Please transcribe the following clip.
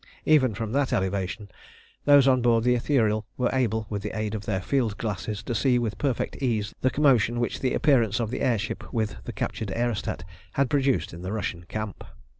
Even from that elevation, those on board the Ithuriel were able with the aid of their field glasses to see with perfect ease the commotion which the appearance of the air ship with the captured aerostat had produced in the Russian camp.